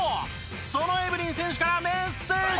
そのエブリン選手からメッセージです！